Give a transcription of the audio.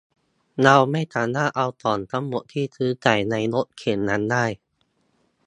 เราไม่สามารถเอาของทั้งหมดที่ซื้อใส่ในรถเข็นนั้นได้